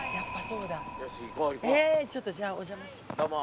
えちょっとじゃあ。